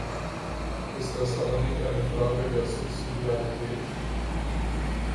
Ist das aber nicht eine Frage der Subsidiarität?